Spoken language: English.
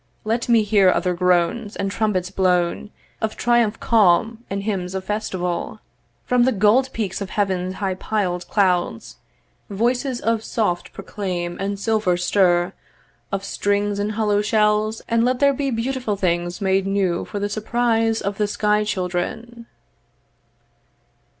'Let me hear other groans, and trumpets blown 'Of triumph calm, and hymns of festival 'From the gold peaks of Heaven's high piled clouds; 'Voices of soft proclaim, and silver stir 'Of strings in hollow shells; and let there be 'Beautiful things made new, for the surprise 'Of the sky children.'